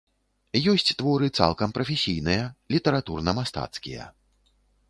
Ёсць творы цалкам прафесійныя, літаратурна-мастацкія.